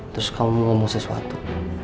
terus kamu ngomong sesuatu